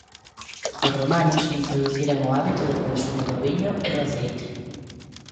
Os romanos introduciran o hábito do consumo do viño e do aceite.